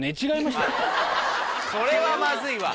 それはまずいわ。